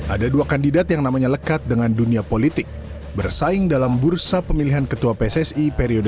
ada dua kandidat yang namanya lekat dengan dunia politik bersaing dalam bursa pemilihan ketua pssi periode dua ribu dua puluh